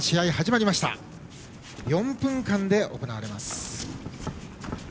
４分間で行われます。